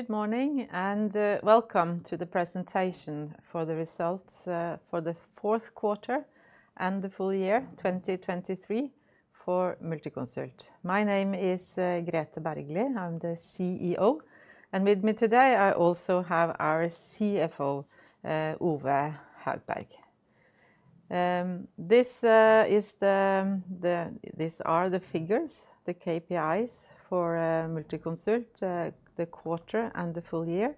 Good morning, and welcome to the presentation for the results for the fourth quarter and the full year, 2023 for Multiconsult. My name is Grethe Bergly. I'm the CEO, and with me today, I also have our CFO, Ove B. Haugvaldstad. These are the figures, the KPIs for Multiconsult, the quarter and the full year.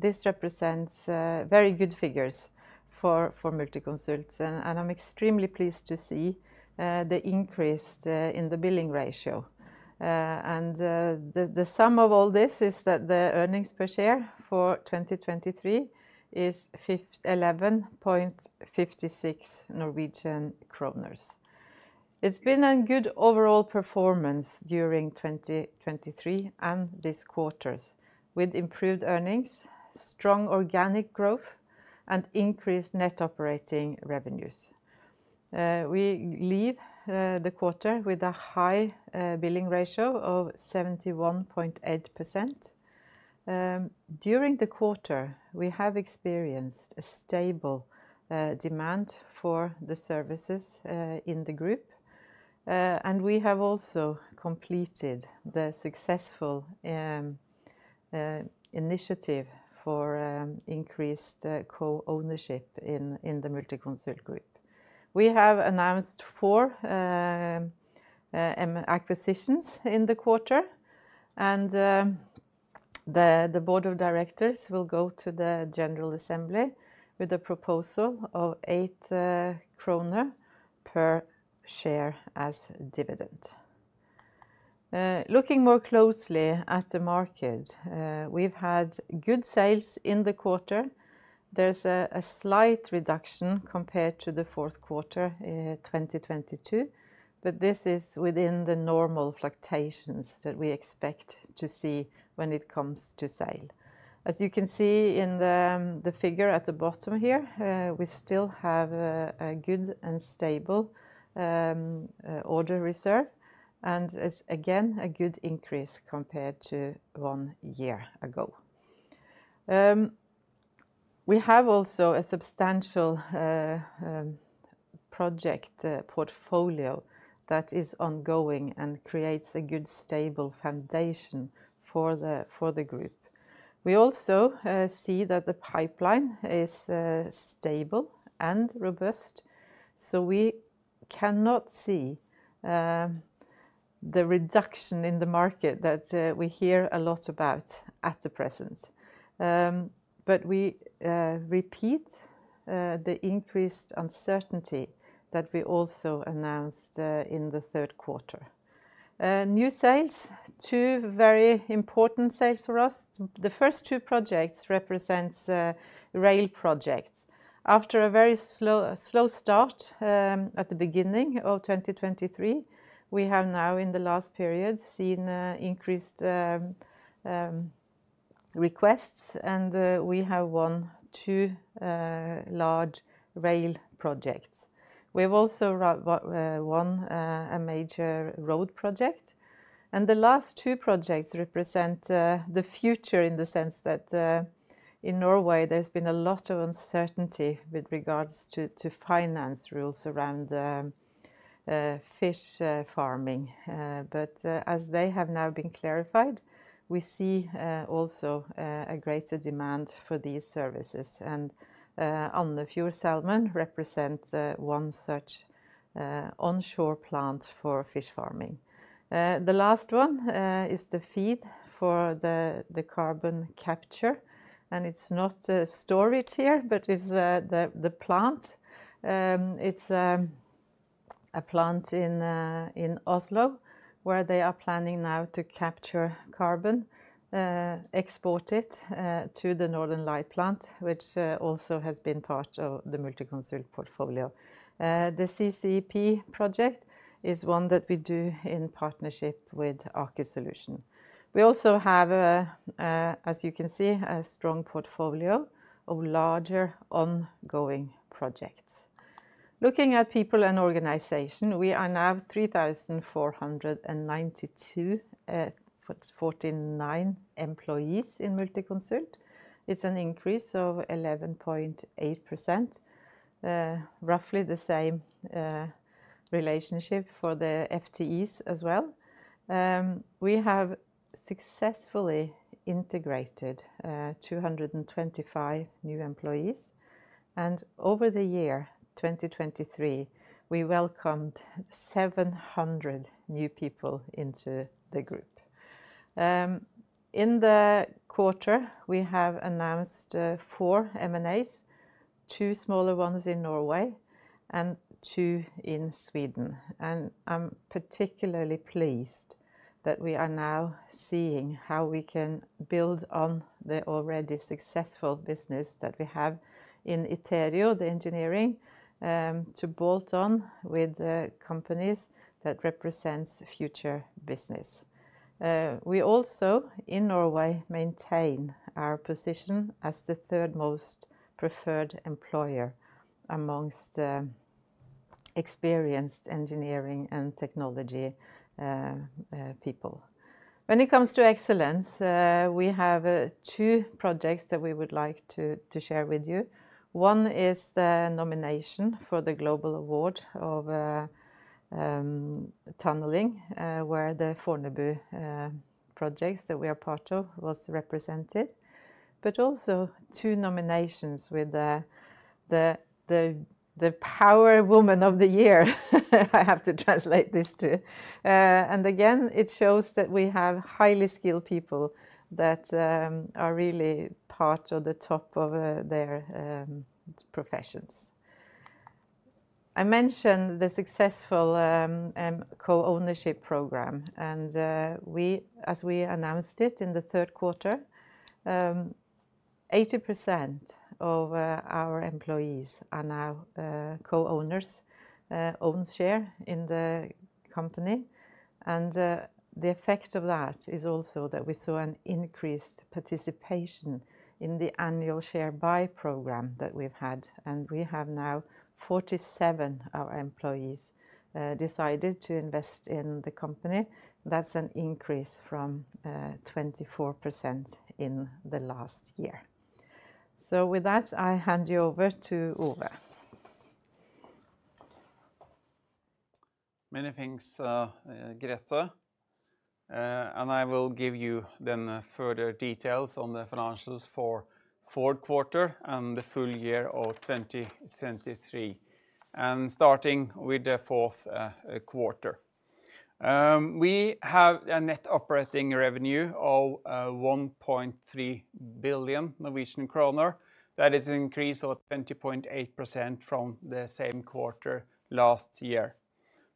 This represents very good figures for Multiconsult, and I'm extremely pleased to see the increase in the billing ratio. The sum of all this is that the earnings per share for 2023 is 11.56 Norwegian kroner. It's been a good overall performance during 2023 and this quarter, with improved earnings, strong organic growth, and increased net operating revenues. We leave the quarter with a high billing ratio of 71.8%. During the quarter, we have experienced a stable demand for the services in the group. We have also completed the successful initiative for increased co-ownership in the Multiconsult Group. We have announced 4 acquisitions in the quarter, and the board of directors will go to the general assembly with a proposal of 8 kroner per share as dividend. Looking more closely at the market, we've had good sales in the quarter. There's a slight reduction compared to the fourth quarter in 2022, but this is within the normal fluctuations that we expect to see when it comes to sale. As you can see in the, the figure at the bottom here, we still have a, a good and stable, order reserve, and as again, a good increase compared to one year ago. We have also a substantial, project, portfolio that is ongoing and creates a good, stable foundation for the, for the group. We also, see that the pipeline is, stable and robust, so we cannot see, the reduction in the market that, we hear a lot about at the present. But we, repeat, the increased uncertainty that we also announced, in the third quarter. New sales, two very important sales for us. The first two projects represents, rail projects. After a very slow, slow start at the beginning of 2023, we have now, in the last period, seen increased requests, and we have won 2 large rail projects. We've also won a major road project, and the last 2 projects represent the future in the sense that in Norway, there's been a lot of uncertainty with regards to finance rules around fish farming. But as they have now been clarified, we see also a greater demand for these services. Andøya Salmon represents one such onshore plant for fish farming. The last one is the feed for the carbon capture, and it's not stored here, but it's the plant. It's a plant in Oslo, where they are planning now to capture carbon, export it, to the Northern Lights plant, which also has been part of the Multiconsult portfolio. The CCP project is one that we do in partnership with Aker Solutions. We also have, as you can see, a strong portfolio of larger ongoing projects. Looking at people and organization, we are now 3,492 employees in Multiconsult. It's an increase of 11.8%. Roughly the same relationship for the FTEs as well. We have successfully integrated 225 new employees, and over the year 2023, we welcomed 700 new people into the group. In the quarter, we have announced four M&As, two smaller ones in Norway and two in Sweden. I'm particularly pleased that we are now seeing how we can build on the already successful business that we have in Iterio, the engineering, to bolt on with the companies that represents future business. We also, in Norway, maintain our position as the third most preferred employer among experienced engineering and technology people. When it comes to excellence, we have two projects that we would like to share with you. One is the nomination for the Global Award of Tunneling, where the Fornebu projects that we are part of was represented, but also two nominations with the Power Woman of the Year. I have to translate this to. And again, it shows that we have highly skilled people that are really part of the top of their professions. I mentioned the successful co-ownership program, and we, as we announced it in the third quarter, 80% of our employees are now co-owners, own share in the company. And the effect of that is also that we saw an increased participation in the annual share buy program that we've had, and we have now 47 of our employees decided to invest in the company. That's an increase from 24% in the last year. So with that, I hand you over to Ove. Many thanks, Grethe. I will give you then further details on the financials for the fourth quarter and the full year of 2023. Starting with the fourth quarter. We have a net operating revenue of 1.3 billion Norwegian kroner. That is an increase of 20.8% from the same quarter last year.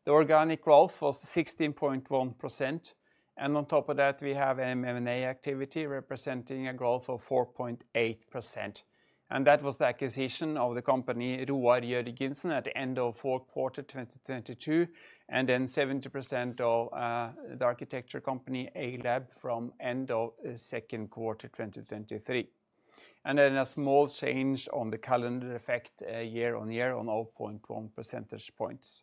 The organic growth was 16.1%, and on top of that, we have M&A activity, representing a growth of 4.8%. That was the acquisition of the company, Roar Jørgensen, at the end of fourth quarter 2022, and then 70% of the architecture company, A-lab, from end of second quarter 2023. Then a small change on the calendar effect, year-on-year of 0.1 percentage points.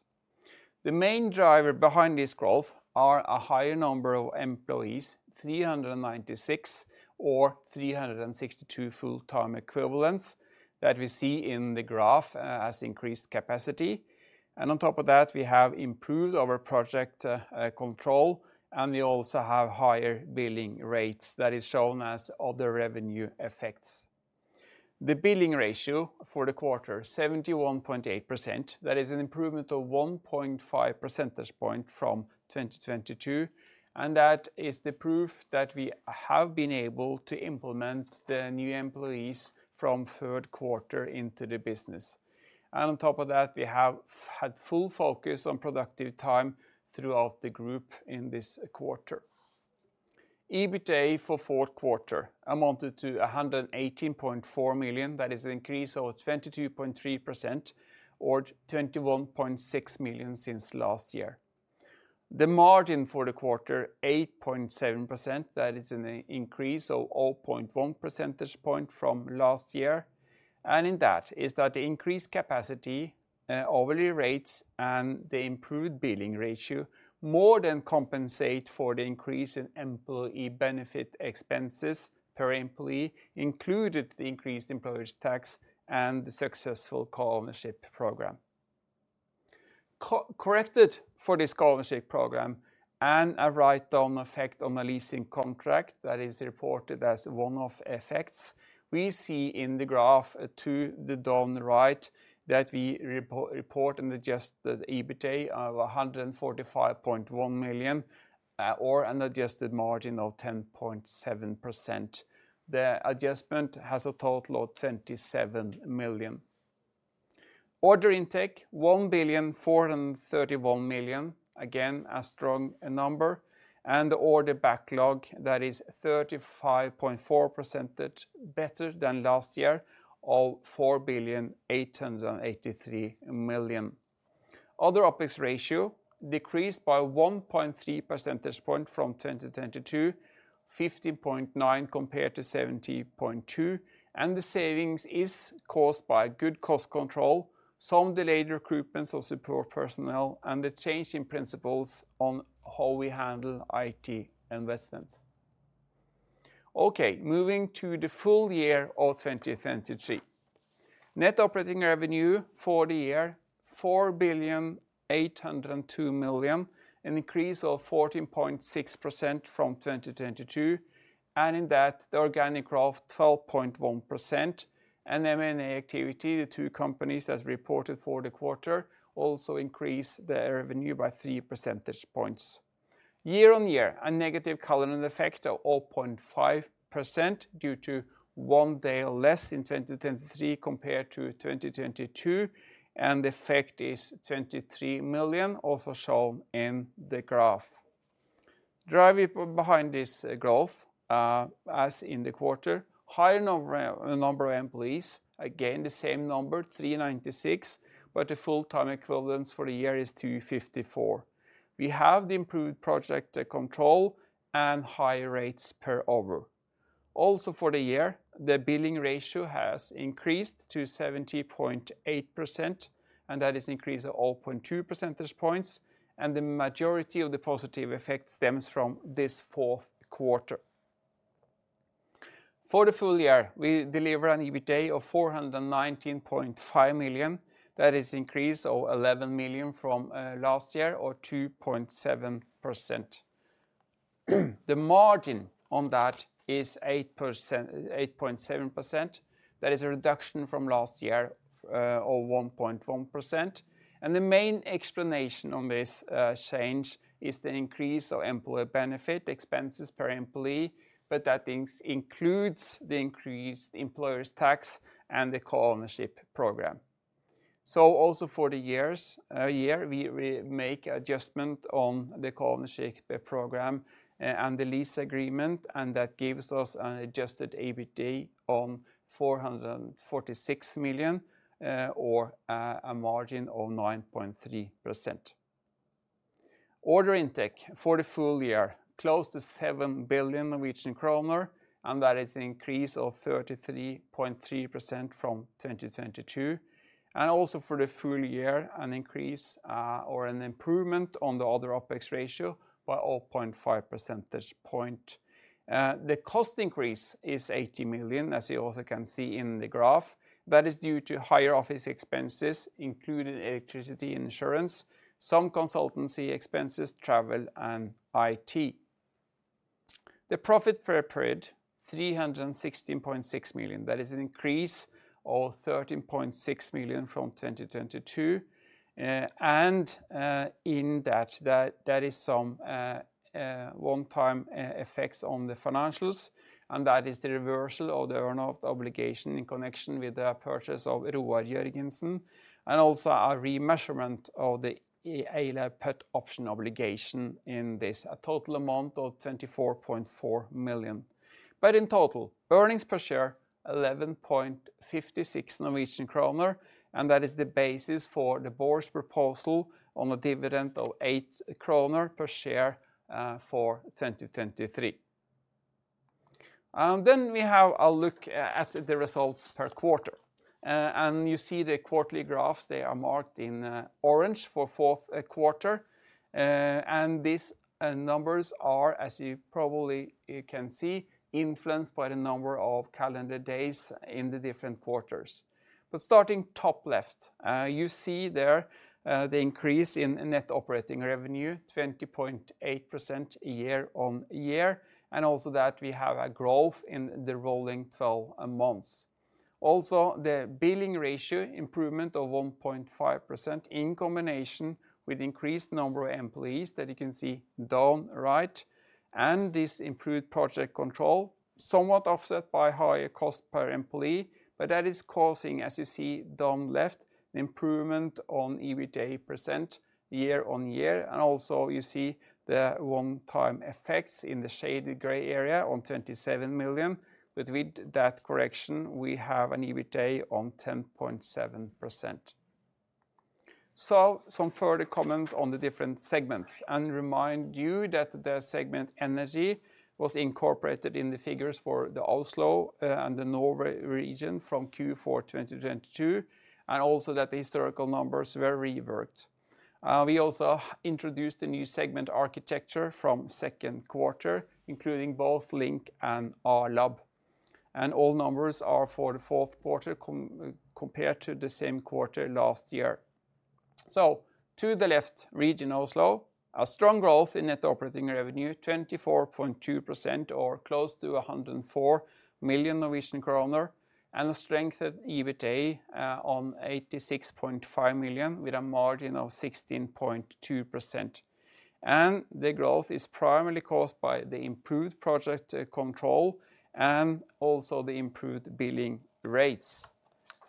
The main driver behind this growth are a higher number of employees, 396 or 362 full-time equivalents, that we see in the graph as increased capacity. And on top of that, we have improved our project control, and we also have higher billing rates. That is shown as other revenue effects. The billing ratio for the quarter, 71.8%. That is an improvement of 1.5 percentage point from 2022, and that is the proof that we have been able to implement the new employees from third quarter into the business. And on top of that, we have had full focus on productive time throughout the group in this quarter. EBITA for fourth quarter amounted to 118.4 million. That is an increase of 22.3% or 21.6 million since last year. The margin for the quarter, 8.7%. That is an increase of 0.1 percentage point from last year. And in that, is that the increased capacity, hourly rates, and the improved billing ratio more than compensate for the increase in employee benefit expenses per employee, included the increased employer's tax and the successful co-ownership program. Corrected for this co-ownership program and a write-down effect on a leasing contract that is reported as one of effects, we see in the graph to the down right, that we report an adjusted EBITA of 145.1 million, or an adjusted margin of 10.7%. The adjustment has a total of 27 million. Order intake, 1,431 million. Again, a strong number, and the order backlog, that is 35.4% better than last year, of 4,883 million. Other OpEx ratio decreased by 1.3 percentage point from 2022, 15.9% compared to 17.2%, and the savings is caused by good cost control, some delayed recruitments of support personnel, and the change in principles on how we handle IT investments. Okay, moving to the full year of 2023. Net operating revenue for the year, 4,802 million, an increase of 14.6% from 2022, and in that, the organic growth, 12.1%. M&A activity, the two companies that reported for the quarter, also increased their revenue by 3 percentage points. Year on year, a negative calendar effect of 0.5% due to one day less in 2023 compared to 2022, and the effect is 23 million, also shown in the graph. Driver behind this growth, as in the quarter, higher number, number of employees. Again, the same number, 396, but the full-time equivalents for the year is 254. We have the improved project control and high rates per hour. Also for the year, the billing ratio has increased to 70.8%, and that is increase of a 0.2 percentage points, and the majority of the positive effect stems from this fourth quarter. For the full year, we deliver an EBITA of 419.5 million. That is increase of 11 million from last year, or 2.7%. The margin on that is 8%, 8.7%. That is a reduction from last year of 1.1%. The main explanation on this change is the increase of employee benefit expenses per employee, but that includes the increased employer's tax and the co-ownership program. So also for the year, we make adjustment on the co-ownership program and the lease agreement, and that gives us an adjusted EBITA of 446 million, or a margin of 9.3%. Order intake for the full year, close to 7 billion Norwegian kroner, and that is an increase of 33.3% from 2022. Also for the full year, an increase or an improvement on the other OPEX ratio by 0.5 percentage point. The cost increase is 80 million, as you also can see in the graph. That is due to higher office expenses, including electricity, insurance, some consulting expenses, travel, and IT. The profit for a period, 316.6 million. That is an increase of 13.6 million from 2022. And in that, that is some one-time effects on the financials, and that is the reversal of the earn-out obligation in connection with the purchase of Roar Jørgensen, and also a remeasurement of the Iterio put option obligation in this, a total amount of 24.4 million. But in total, earnings per share, 11.56 Norwegian kroner, and that is the basis for the board's proposal on a dividend of 8 kroner per share for 2023. And then we have a look at the results per quarter. And you see the quarterly graphs, they are marked in orange for fourth quarter. And these numbers are, as you probably can see, influenced by the number of calendar days in the different quarters. But starting top left, you see there the increase in net operating revenue, 20.8% year-on-year, and also that we have a growth in the rolling twelve months. Also, the billing ratio improvement of 1.5% in combination with increased number of employees that you can see down right, and this improved project control, somewhat offset by higher cost per employee, but that is causing, as you see down left, an improvement on EBITA% year-on-year. And also, you see the one-time effects in the shaded gray area on 27 million. But with that correction, we have an EBITA on 10.7%. So some further comments on the different segments, and remind you that the segment energy was incorporated in the figures for the Oslo and the Norway region from Q4 2022, and also that the historical numbers were reworked. We also introduced a new segment architecture from second quarter, including both LINK and A-lab, and all numbers are for the fourth quarter compared to the same quarter last year. So to the left, region Oslo, a strong growth in net operating revenue, 24.2% or close to 104 million Norwegian kroner, and a strengthened EBITA on 86.5 million, with a margin of 16.2%. The growth is primarily caused by the improved project control and also the improved billing rates.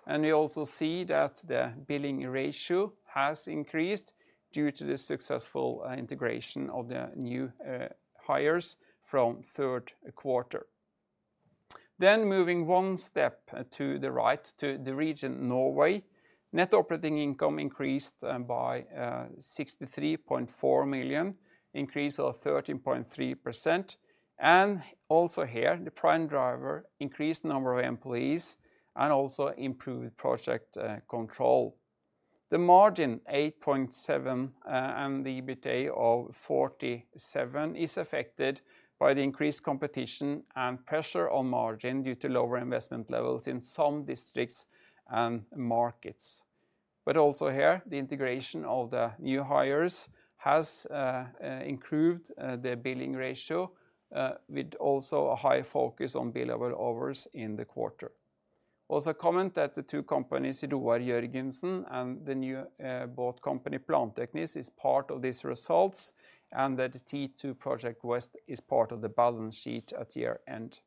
And we also see that the billing ratio has increased due to the successful integration of the new hires from third quarter. Then moving one step to the right, to the region Norway, net operating income increased by 63.4 million, increase of 13.3%. And also here, the prime driver increased number of employees and also improved project control. The margin, 8.7%, and the EBITA of 47 million, is affected by the increased competition and pressure on margin due to lower investment levels in some districts and markets. But also here, the integration of the new hires has improved the billing ratio with also a high focus on billable hours in the quarter. Also comment that the two companies, Roar Jørgensen and the new, bought company, Planteknikk, is part of these results, and that T-2 Project West is part of the balance sheet at year-end.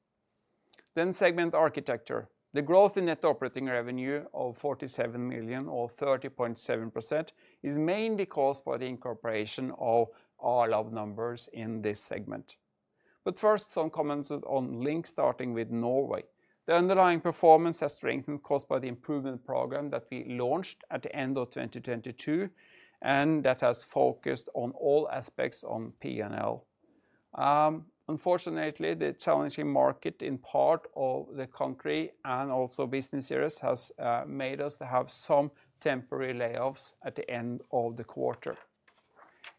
Then segment architecture. The growth in net operating revenue of 47 million, or 30.7%, is mainly caused by the incorporation of A-lab numbers in this segment. But first, some comments on LINK, starting with Norway. The underlying performance has strengthened, caused by the improvement program that we launched at the end of 2022, and that has focused on all aspects on P&L. Unfortunately, the challenging market in part of the country and also business areas has made us to have some temporary layoffs at the end of the quarter.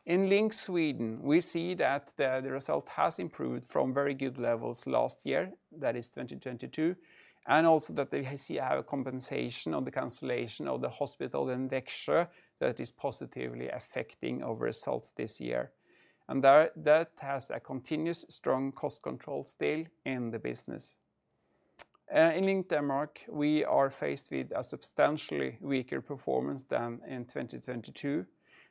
In LINK Sweden, we see that the result has improved from very good levels last year, that is 2022, and also that they see our compensation on the cancellation of the hospital in Växjö that is positively affecting our results this year. And that has a continuous strong cost control still in the business. In LINK Denmark, we are faced with a substantially weaker performance than in 2022.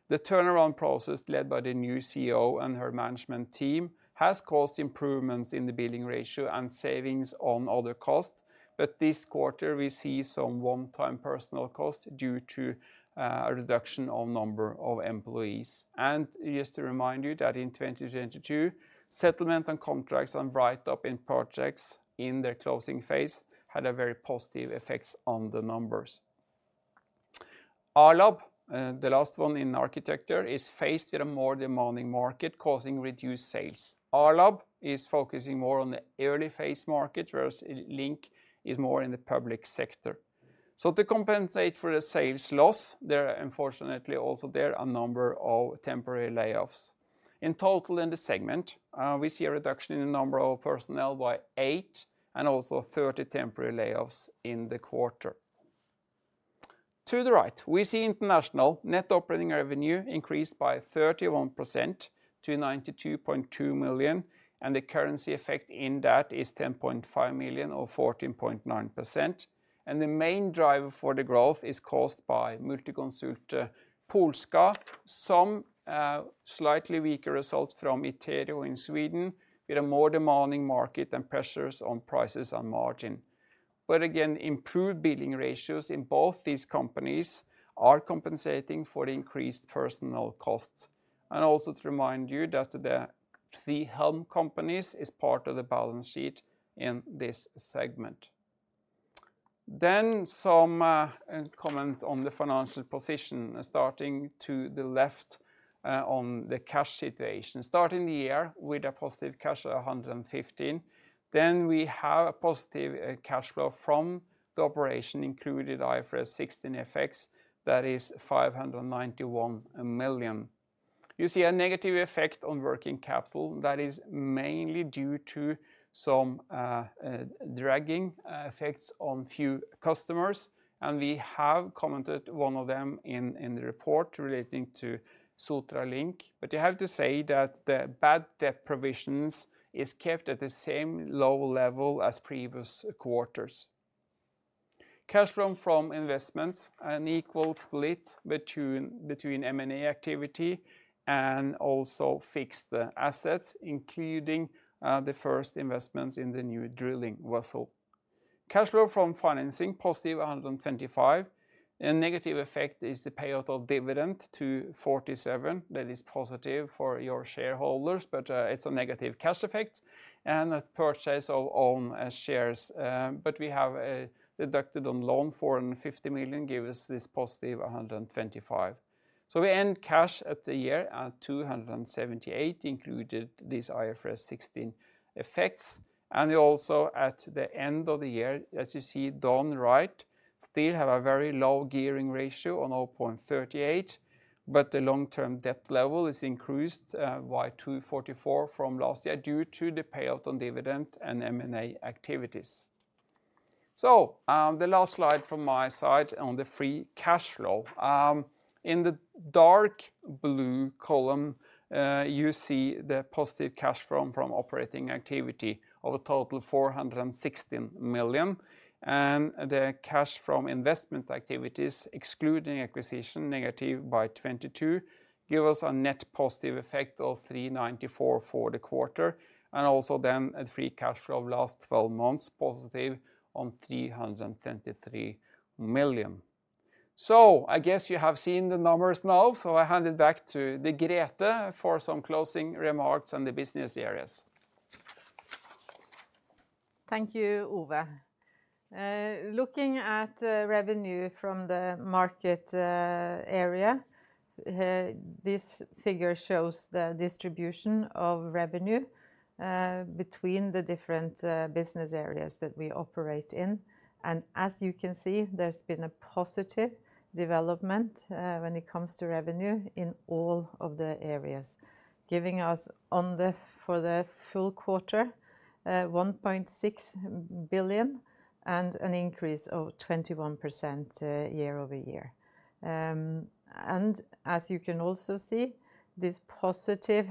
The turnaround process, led by the new CEO and her management team, has caused improvements in the billing ratio and savings on other costs. But this quarter, we see some one-time personal costs due to a reduction of number of employees. And just to remind you that in 2022, settlement and contracts and write-up in projects in their closing phase had a very positive effects on the numbers. A-lab, the last one in architecture, is faced with a more demanding market, causing reduced sales. A-lab is focusing more on the early phase market, whereas LINK is more in the public sector. So to compensate for the sales loss, there are unfortunately also there a number of temporary layoffs. In total, in the segment, we see a reduction in the number of personnel by eight, and also 30 temporary layoffs in the quarter. To the right, we see international net operating revenue increased by 31% to 92.2 million, and the currency effect in that is 10.5 million, or 14.9%. And the main driver for the growth is caused by Multiconsult Polska. Some slightly weaker results from Iterio in Sweden, with a more demanding market and pressures on prices and margin. But again, improved billing ratios in both these companies are compensating for the increased personnel costs. And also to remind you that the three held companies is part of the balance sheet in this segment. Then some comments on the financial position, starting to the left on the cash situation. Starting the year with a positive cash, 115, then we have a positive cash flow from the operation, including IFRS 16 effects, that is 591 million. You see a negative effect on working capital that is mainly due to some dragging effects on few customers, and we have commented one of them in the report relating to Sotra Link. But you have to say that the bad debt provisions is kept at the same low level as previous quarters. Cash flow from investments, an equal split between M&A activity and also fixed assets, including the first investments in the new drilling vessel. Cash flow from financing, positive 125 million. A negative effect is the payout of dividend to 47 million. That is positive for your shareholders, but it's a negative cash effect, and a purchase of own shares. But we have deducted on loan 450 million, give us this positive 125 million. So we end cash at the year at 278 million, included these IFRS 16 effects. Also, at the end of the year, as you see down the right, still have a very low gearing ratio on 0.38, but the long-term debt level is increased by 244 million from last year, due to the payout on dividend and M&A activities. So, the last slide from my side on the free cash flow. In the dark blue column, you see the positive cash flow from operating activity of a total 416 million, and the cash from investment activities, excluding acquisition, negative by 22 million, give us a net positive effect of 394 million for the quarter, and also then a free cash flow of last twelve months, positive on 323 million. So I guess you have seen the numbers now, so I hand it back to the Grethe for some closing remarks on the business areas. Thank you, Ove. Looking at revenue from the market area, this figure shows the distribution of revenue between the different business areas that we operate in. And as you can see, there's been a positive development when it comes to revenue in all of the areas, giving us, for the full quarter, 1.6 billion and an increase of 21% year-over-year. And as you can also see, this positive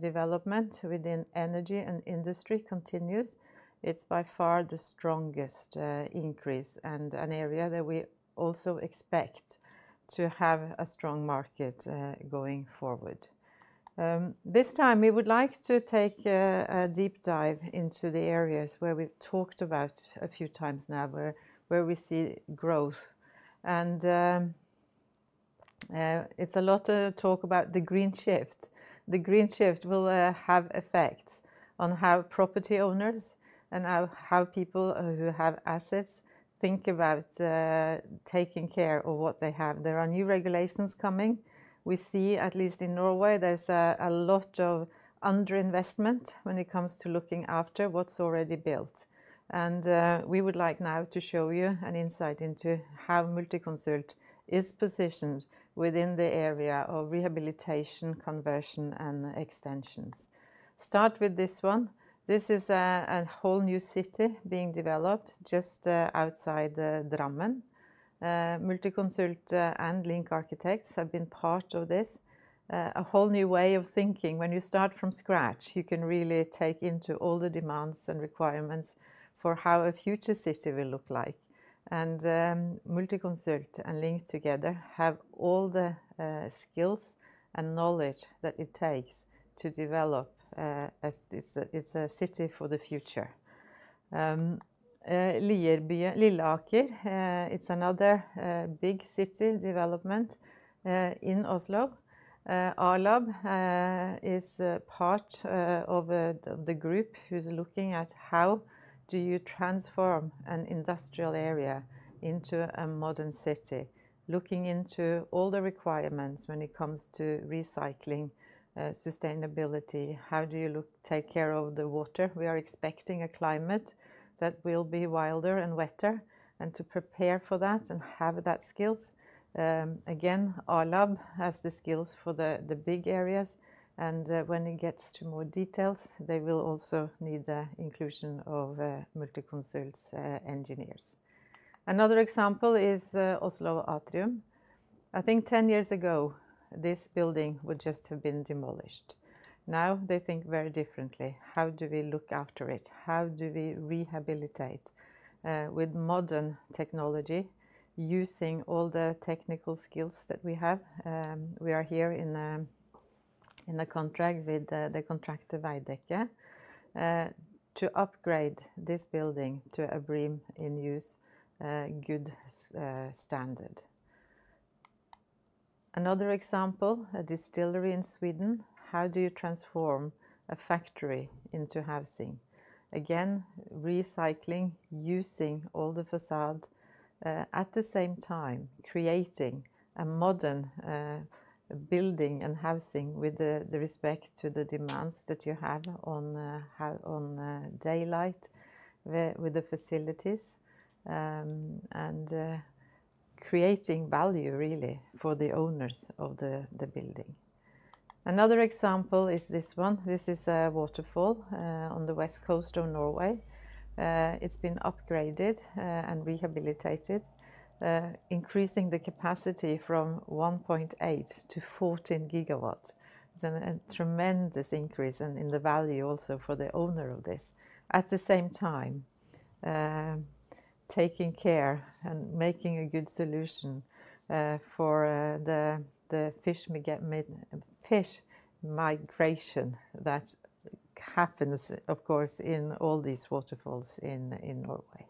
development within energy and industry continues. It's by far the strongest increase, and an area that we also expect to have a strong market going forward. This time, we would like to take a deep dive into the areas where we've talked about a few times now, where we see growth. It's a lot of talk about the green shift. The green shift will have effect on how property owners and how people who have assets think about taking care of what they have. There are new regulations coming. We see, at least in Norway, there's a lot of underinvestment when it comes to looking after what's already built. We would like now to show you an insight into how Multiconsult is positioned within the area of rehabilitation, conversion, and extensions. Start with this one. This is a whole new city being developed just outside Drammen. Multiconsult and LINK Arkitektur have been part of this. A whole new way of thinking. When you start from scratch, you can really take into all the demands and requirements for how a future city will look like. Multiconsult and LINK together have all the skills and knowledge that it takes to develop, as it's a, it's a city for the future. Lierbyen, Lilleaker, it's another big city development in Oslo. A-lab is a part of the group who's looking at how do you transform an industrial area into a modern city? Looking into all the requirements when it comes to recycling, sustainability, how do you take care of the water? We are expecting a climate that will be wilder and wetter, and to prepare for that and have that skills, again, A-lab has the skills for the big areas, and when it gets to more details, they will also need the inclusion of Multiconsult's engineers. Another example is Oslo Atrium. I think 10 years ago, this building would just have been demolished. Now, they think very differently. How do we look after it? How do we rehabilitate with modern technology, using all the technical skills that we have? We are here in a contract with the contractor, Veidekke, to upgrade this building to a BREEAM-In-Use good standard. Another example, a distillery in Sweden. How do you transform a factory into housing? Again, recycling, using all the façade at the same time, creating a modern building and housing with the respect to the demands that you have on how on daylight with the facilities, and creating value really for the owners of the building. Another example is this one. This is a waterfall on the west coast of Norway. It's been upgraded and rehabilitated, increasing the capacity from 1.8 to 14 gigawatts. It's a tremendous increase and in the value also for the owner of this. At the same time, taking care and making a good solution for the fish migration that happens, of course, in all these waterfalls in Norway.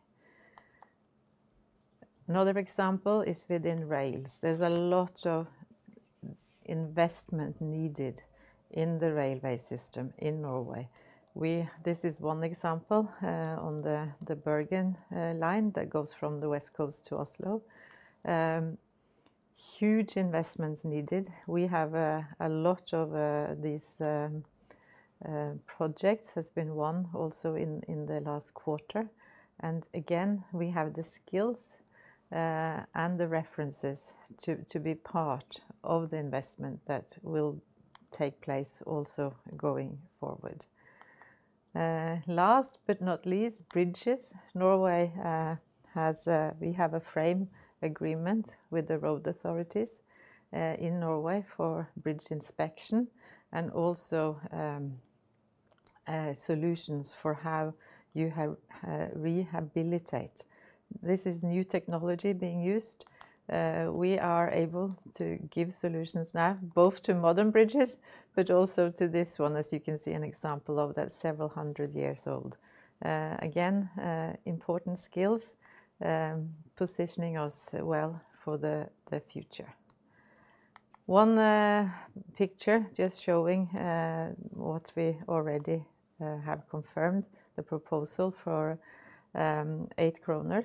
Another example is within rails. There's a lot of investment needed in the railway system in Norway. This is one example on the Bergen line that goes from the west coast to Oslo. Huge investments needed. We have a lot of these projects has been won also in the last quarter. And again, we have the skills and the references to be part of the investment that will take place also going forward. Last but not least, bridges. Norway has. We have a frame agreement with the road authorities in Norway for bridge inspection, and also, solutions for how you rehabilitate. This is new technology being used. We are able to give solutions now, both to modern bridges, but also to this one, as you can see an example of that's several hundred years old. Again, important skills, positioning us well for the future. One picture just showing what we already have confirmed, the proposal for 8 kroner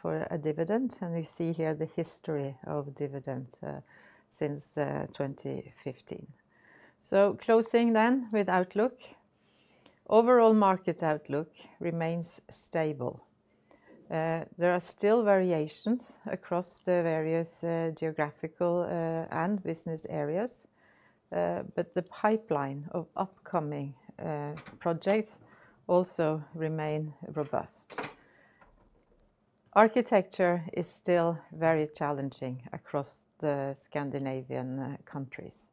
for a dividend, and we see here the history of dividend since 2015. So closing then with outlook. Overall market outlook remains stable. There are still variations across the various geographical and business areas, but the pipeline of upcoming projects also remains robust. Architecture is still very challenging across the Scandinavian countries.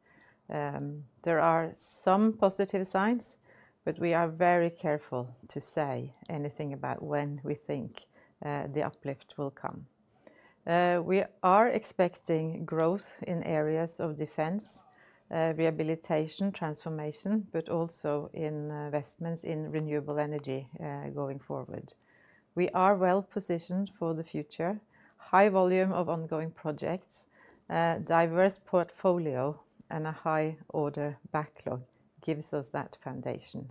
There are some positive signs, but we are very careful to say anything about when we think the uplift will come. We are expecting growth in areas of defense, rehabilitation, transformation, but also in investments in renewable energy going forward. We are well positioned for the future. High volume of ongoing projects, diverse portfolio, and a high order backlog gives us that foundation.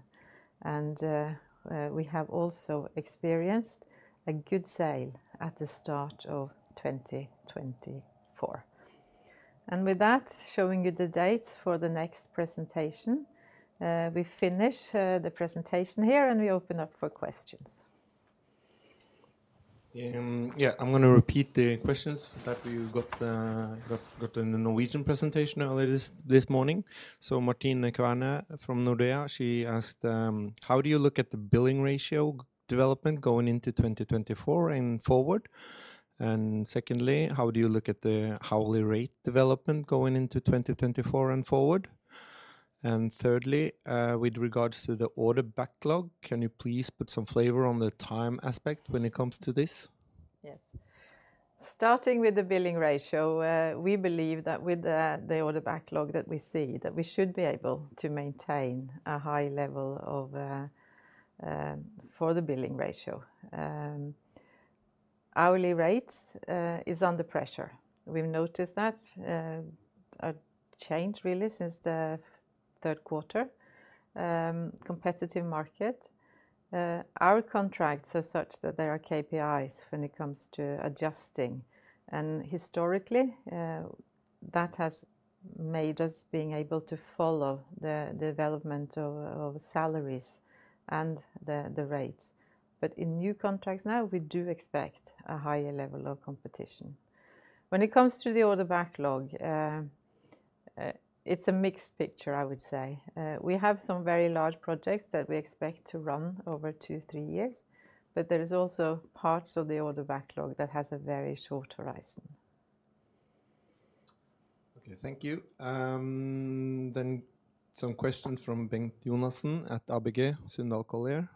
We have also experienced a good start at the start of 2024. With that, showing you the dates for the next presentation, we finish the presentation here, and we open up for questions. Yeah, I'm gonna repeat the questions that we got in the Norwegian presentation earlier this morning. So Martine Kvamme from Nordea, she asked: How do you look at the billing ratio development going into 2024 and forward? And secondly, how do you look at the hourly rate development going into 2024 and forward? And thirdly, with regards to the order backlog, can you please put some flavor on the time aspect when it comes to this? Yes. Starting with the billing ratio, we believe that with the order backlog that we see, that we should be able to maintain a high level of for the billing ratio. Hourly rates is under pressure. We've noticed that a change really since the third quarter, competitive market. Our contracts are such that there are KPIs when it comes to adjusting, and historically, that has made us being able to follow the development of salaries and the rates. But in new contracts now, we do expect a higher level of competition. When it comes to the order backlog, it's a mixed picture, I would say. We have some very large projects that we expect to run over 2, 3 years, but there is also parts of the order backlog that has a very short horizon. Okay, thank you. Then some questions from Bengt Jonassen at ABG Sundal Collier.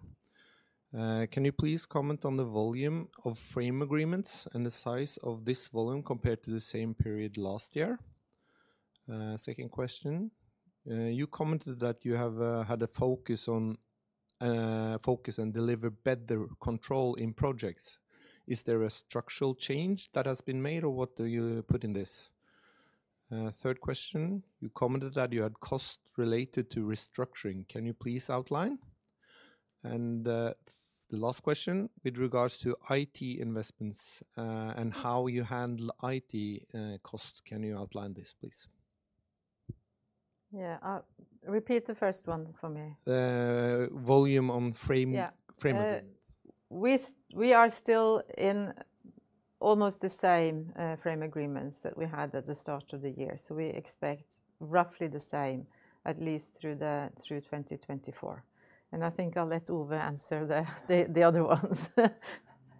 Can you please comment on the volume of frame agreements and the size of this volume compared to the same period last year? Second question: You commented that you have had a focus on focus and deliver better control in projects. Is there a structural change that has been made, or what do you put in this? Third question: You commented that you had costs related to restructuring. Can you please outline? And the last question: With regards to IT investments and how you handle IT costs, can you outline this, please? Yeah. Repeat the first one for me. volume on frame- Yeah... frame agreements. We are still in almost the same frame agreements that we had at the start of the year, so we expect roughly the same, at least through 2024. I think I'll let Ove answer the other ones.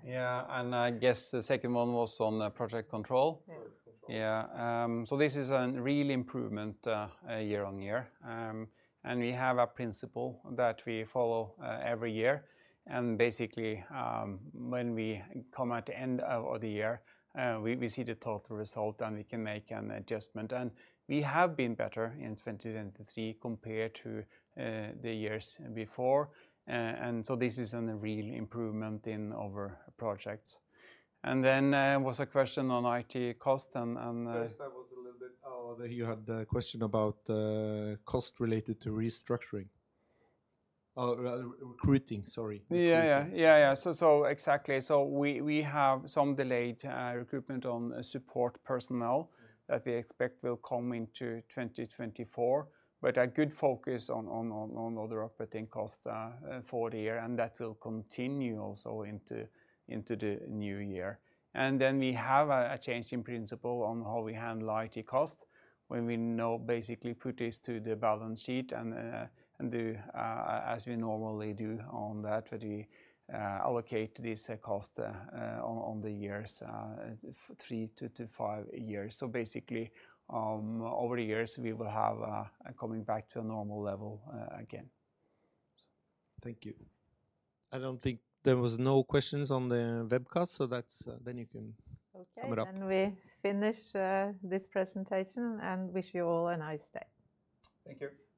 Yeah, and I guess the second one was on the project control? Yeah. Project control. Yeah. So this is a real improvement year-on-year. And we have a principle that we follow every year, and basically, when we come at the end of the year, we see the total result, and we can make an adjustment. And we have been better in 2023 compared to the years before, and so this is a real improvement in our projects. And then was a question on IT cost and Yes, that was a little bit. You had the question about cost related to restructuring. Recruiting, sorry, recruiting. Yeah, yeah. Yeah, yeah. So, so exactly. So we have some delayed recruitment on support personnel that we expect will come into 2024, but a good focus on other operating costs for the year, and that will continue also into the new year. And then we have a change in principle on how we handle IT costs, when we now basically put this to the balance sheet and do as we normally do on that, that we allocate this cost on the years, 3-5 years. So basically, over the years, we will have a coming back to a normal level again. Thank you. I don't think... There was no questions on the webcast, so that's... Then you can- Okay... sum it up. We finish this presentation, and wish you all a nice day. Thank you.